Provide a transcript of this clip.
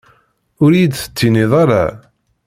Ur iyi-d-tettinid ara?